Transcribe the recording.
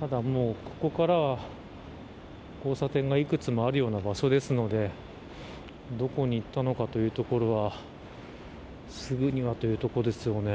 ただ、ここからは交差点がいくつもあるような場所ですのでどこに行ったのかというようなところはすぐにはというところですよね。